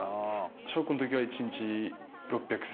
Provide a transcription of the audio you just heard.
小学校のときは１日６００ス